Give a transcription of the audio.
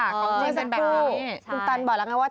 คุณตันบอกแล้วใช่ไหมว่า